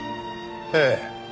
ええ。